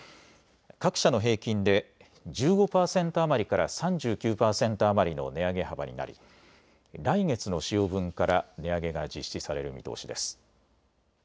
各社の平均で１５％余りから３９％余りの値上げ幅になり、来月の使用分から値上げが実施される見通しです。